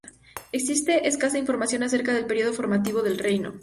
Existe escasa información acerca del período formativo del reino.